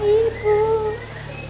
aku bisa mentoringmu bu